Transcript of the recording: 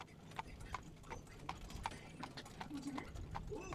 Stoly jsou rozděleny na stálé a dočasné.